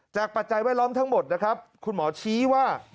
จากปัจจัยแวดล้อมทั้งหมดคุณหมอชี้ว่า